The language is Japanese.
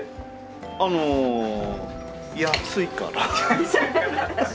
あの安いから。